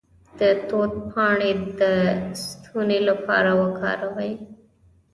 د توت پاڼې د ستوني لپاره وکاروئ